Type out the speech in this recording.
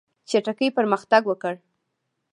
چټکي پرمختګ وکړ.